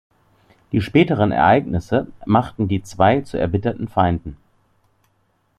Die späteren Ereignisse machten die zwei zu erbitterten Feinden.